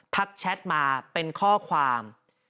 แชทมาเป็นข้อความ